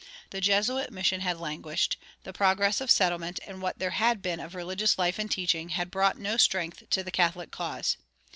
The Jesuit mission had languished; the progress of settlement, and what there had been of religious life and teaching, had brought no strength to the Catholic cause.